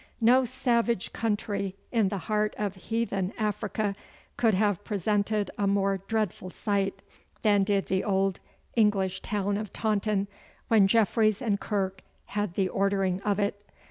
No savage country in the heart of heathen Africa could have presented a more dreadful sight than did the old English town of Taunton when Jeffreys and Kirke had the ordering of it.